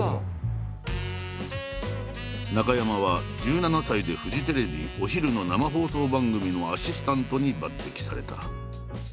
中山は１７歳でフジテレビお昼の生放送番組のアシスタントに抜てきされた。